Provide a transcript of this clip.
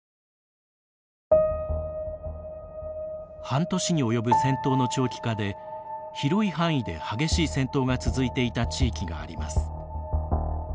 半年に及ぶ戦闘の長期化で広い範囲で激しい戦闘が続いていた地域があります。